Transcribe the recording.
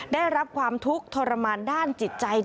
ได้รับความทุกข์ทรมานด้านจิตใจ